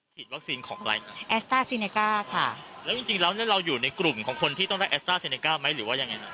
วัคซีนของอะไรแอสต้าซีเนก้าค่ะแล้วจริงจริงแล้วเนี่ยเราอยู่ในกลุ่มของคนที่ต้องได้แอสต้าเซเนก้าไหมหรือว่ายังไงฮะ